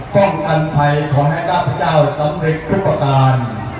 ป้องกันภัยของนักศักดิ์พระเจ้าสำเร็จทุกประการ